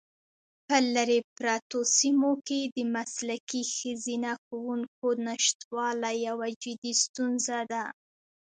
په لیرې پرتو سیمو کې د مسلکي ښځینه ښوونکو نشتوالی یوه جدي ستونزه ده.